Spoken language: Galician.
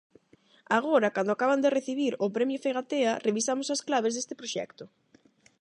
Agora, cando acaban de recibir o premio Fegatea, revisamos as claves deste proxecto.